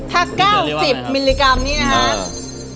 ถ้า๙๐มิลลิกรัมนี่นะครับ